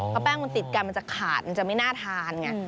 เพราะแป้งมันติดกันมันจะขาดมันจะไม่น่าทานไง